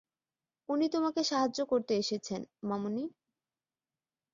উনি তোমাকে সাহায্য করতে এসেছেন, মামনি।